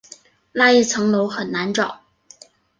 那一层楼很难找